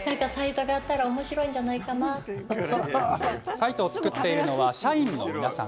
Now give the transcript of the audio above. サイトを作っているのは社員の皆さん。